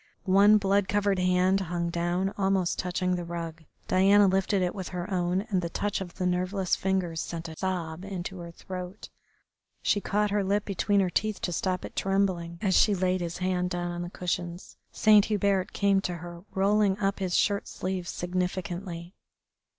One blood covered hand hung down almost touching the rug. Diana lifted it in her own, and the touch of the nerveless fingers sent a sob into her throat. She caught her lip between her teeth to stop it trembling as she laid his hand down on the cushions. Saint Hubert came to her, rolling up his shirt sleeves significantly.